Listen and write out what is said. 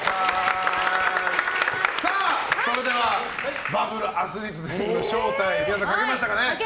それではバブル・アスリート天狗の正体皆さん、分かりましたかね。